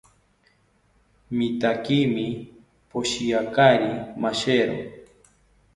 Mitaakimi poshiakari mashero